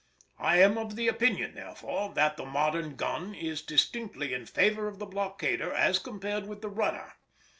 I am of the opinion, therefore, that the modern gun is distinctly in favour of the blockader as compared with the runner.